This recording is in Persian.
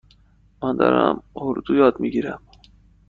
من دارم اردو یاد می گیرم.